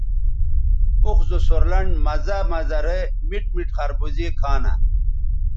اوخ زو سور لنڈ مزہ مزہ رے میٹ میٹ خربوزے کھانہ